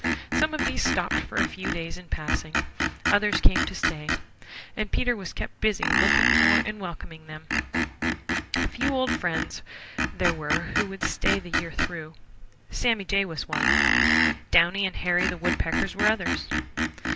Some of these stopped for a few days in passing. Others came to stay, and Peter was kept busy looking for and welcoming them. A few old friends there were who would stay the year through. Sammy Jay was one. Downy and Hairy the Woodpeckers were others.